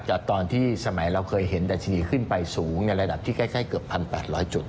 ตอนที่สมัยเราเคยเห็นดัชนีขึ้นไปสูงในระดับที่ใกล้เกือบ๑๘๐๐จุด